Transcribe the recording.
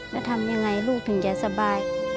แล้วทำยังไงลูกถึงจะสบาย